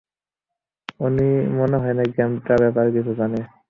উনি মনে হয় না গেমটার ব্যাপারে কিছু জানে।